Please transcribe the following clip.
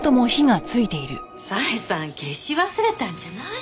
小枝さん消し忘れたんじゃない？